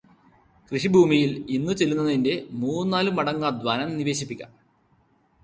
കൃഷിഭൂമിയിൽ ഇന്ന് ചെല്ലുന്നതിന്റെ മൂന്നും നാലും മടങ്ങ് അധ്വാനം നിവേശിപ്പിക്കാം.